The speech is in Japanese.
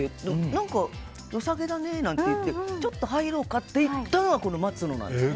何か良さげだねって言ってちょっと入ろうかと行ったらこの松野なんです。